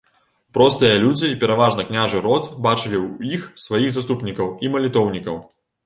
Простыя людзі і пераважна княжы род бачылі ў іх сваіх заступнікаў і малітоўнікаў.